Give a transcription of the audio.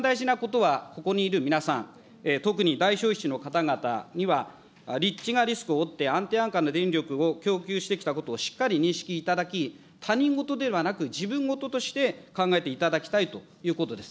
一番大事なことは、ここにいる皆さん、特に大消費地の方々には、立地がリスクを負って安定安価な電力を供給してきたことをしっかり認識いただき、他人事ではなく、自分事として考えていただきたいということです。